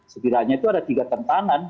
sebetulnya itu ada tiga tanggung jawab